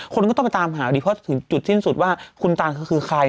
คนก็ต้องไปตามหาดีถึงจุดที่สุดว่าคุณตานก็คือใคร